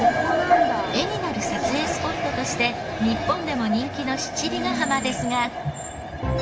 絵になる撮影スポットとして日本でも人気の七里ヶ浜ですが。